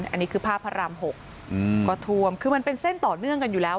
อันนี้คือภาพพระราม๖ก็ท่วมคือมันเป็นเส้นต่อเนื่องกันอยู่แล้ว